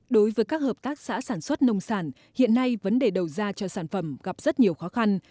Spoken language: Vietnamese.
đối với các hợp tác xã sản xuất nông sản hiện nay vấn đề đầu ra cho sản phẩm gặp rất nhiều khó khăn